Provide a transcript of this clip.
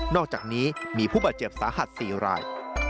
อกจากนี้มีผู้บาดเจ็บสาหัส๔ราย